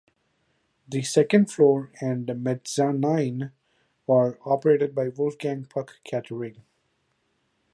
The second floor and a mezzanine are operated by Wolfgang Puck Catering.